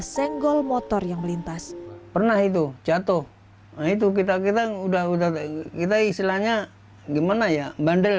senggol motor yang melintas pernah itu jatuh itu kita kita udah udah kita istilahnya gimana ya bandel